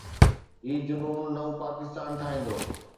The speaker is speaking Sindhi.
هي جنون نئون پاڪستان ٺاهيندو.